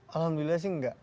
alhamdulillah sih enggak